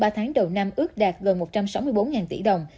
ba tháng đầu năm ước đạt gần một trăm sáu mươi bốn tỷ đồng